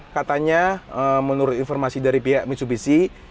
katanya menurut informasi dari pihak mitsubishi